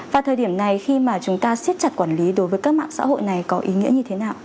và thời điểm này khi mà chúng ta siết chặt quản lý đối với các mạng xã hội này có ý nghĩa như thế nào